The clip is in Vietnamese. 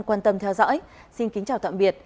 quan tâm theo dõi xin kính chào tạm biệt